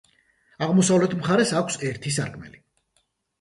აღმოსავლეთ მხარეს აქვს ერთი სარკმელი.